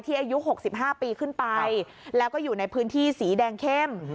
อายุ๖๕ปีขึ้นไปแล้วก็อยู่ในพื้นที่สีแดงเข้ม